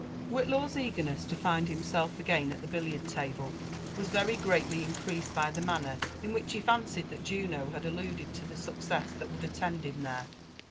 WnnxAw's eagerness \o find himself again at the billiard table was very greatly increased by the manner in which he fancied that Juno had alluded to the success that would attend him there.